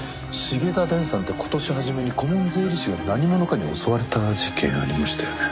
繁田電産って今年初めに顧問税理士が何者かに襲われた事件ありましたよね。